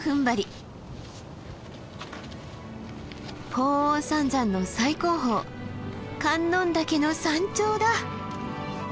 鳳凰三山の最高峰観音岳の山頂だ！